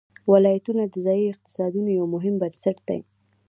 ولایتونه د ځایي اقتصادونو یو مهم بنسټ دی.